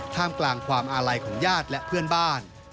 ท่ามกลางความอาลัยของญาติและเพื่อนบ้าน